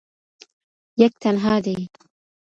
یک تنها دی